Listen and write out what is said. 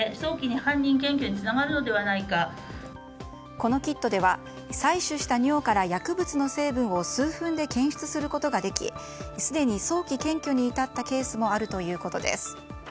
このキットでは採取した尿から薬物の成分を数分で検出することができすでに早期検挙に至ったケースもあるということです。